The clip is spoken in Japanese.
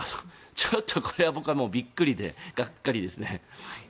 ちょっとこれは僕はびっくりでがっかりですね。